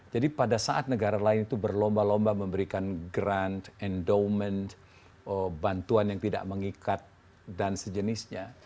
jadi pada saat negara lain itu berlomba lomba memberikan grant endowment bantuan yang tidak mengikat dan sejenisnya